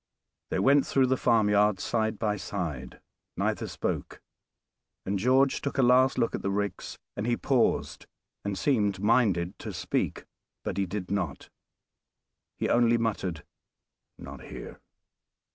They went through the farmyard side by side; neither spoke, and George took a last look at the ricks, and he paused, and seemed minded to speak, but he did not, he only muttered "not here."